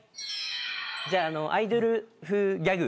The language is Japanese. じゃあアイドル風ギャグ。